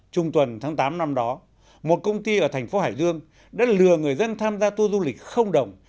trung tuần tháng tám năm đó một công ty ở thành phố hải dương đã lừa người dân tham gia tour du lịch không đồng